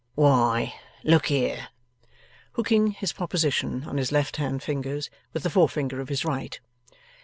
'Why look here,' hooking his proposition on his left hand fingers with the forefinger of his right.